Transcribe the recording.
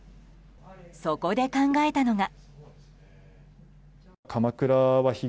そこで考えたのが。